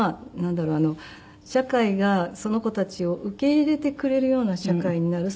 社会がその子たちを受け入れてくれるような社会になる。